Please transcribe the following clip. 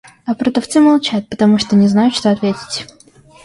А продавцы молчат, потому что не знают, что ответить.